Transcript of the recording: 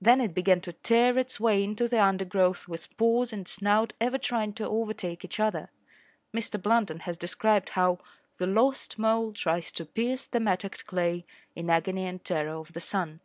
Then it began to tear its way into the undergrowth with paws and snout ever trying to overtake each other. Mr Blunden has described how The lost mole tries to pierce the mattocked clay In agony and terror of the sun.